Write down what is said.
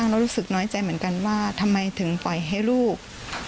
รู้สึกน้อยใจเหมือนกันว่าทำไมถึงปล่อยให้ลูก